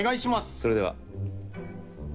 それでは。